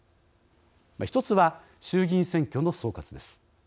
１つは衆議院選挙の総括です。